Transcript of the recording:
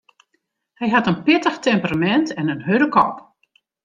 Hy hat in pittich temperamint en in hurde kop.